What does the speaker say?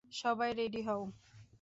সবাই রেডি হও!